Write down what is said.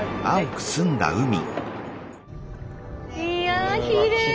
いやきれい！